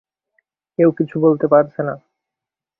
কেউ কিছু বলতে পারছে না।